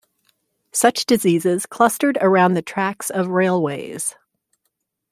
Such diseases clustered around the tracks of railways.